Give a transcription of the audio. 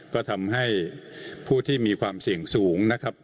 ก็ทำให้ผู้ที่มีความเสี่ยงสูงนะครับ